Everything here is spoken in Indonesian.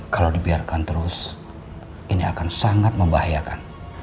kalau dibiarkan terus ini akan sangat membahayakan